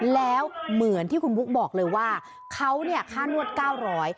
แล้วเหมือนที่คุณปุ๊กบอกเลยว่าเขาเนี่ยค่านวด๙๐๐บาท